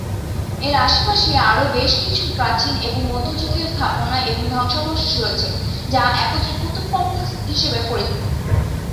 এর আশে-পাশে আরও বেশ কিছু প্রাচীন এবং মধ্যযুগীয় স্থাপনা এবং ধ্বংসাবশেষ রয়েছে, যা একত্রে কুতুব কমপ্লেক্স হিসেবে পরিচিত।